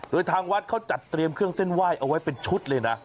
โดยทางวัดเขาจัดเตรียมเครื่องเส้นไหว้เอาไว้เป็นชุดเลยนะ